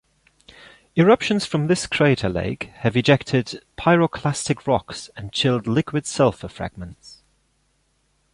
Eruptions from this crater lake have ejected pyroclastic rocks and chilled liquid sulfur fragments.